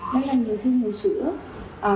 rất là nhiều thương hiệu sữa